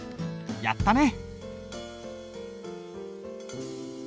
やったね！